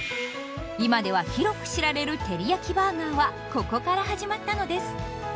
今では広く知られる「テリヤキバーガー」はここから始まったのです。